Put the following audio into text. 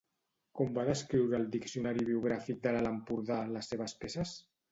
Com va descriure el "Diccionari biogràfic de l'Alt Empordà" les seves peces?